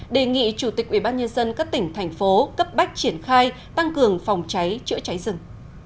đề nghị chủ tịch ubnd các tỉnh thành phố cấp bách triển khai tăng cường phòng cháy chữa cháy rừng